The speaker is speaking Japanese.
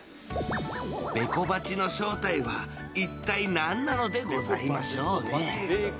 ベコバチの正体は一体何なのでございましょうね。